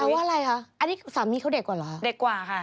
ว่าอะไรคะอันนี้สามีเขาเด็กกว่าเหรอ